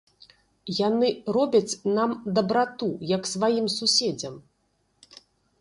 Яны робяць нам дабрату, як сваім суседзям.